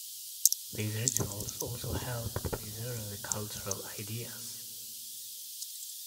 These rituals also helped preserve the cultural ideas.